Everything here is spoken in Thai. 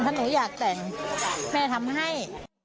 ถ้าหนูอยากแต่งแม่ทำให้